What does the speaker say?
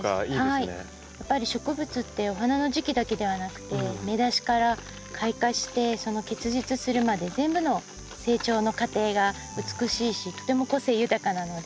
やっぱり植物ってお花の時期だけではなくて芽出しから開花して結実するまで全部の成長の過程が美しいしとても個性豊かなので。